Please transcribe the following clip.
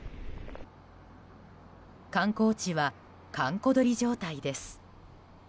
観光地は閑古鳥状態です。